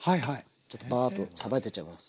ちょっとバーッとさばいていっちゃいます。